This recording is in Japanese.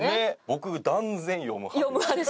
僕断然読む派です。